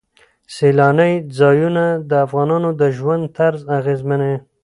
سیلانی ځایونه د افغانانو د ژوند طرز اغېزمنوي.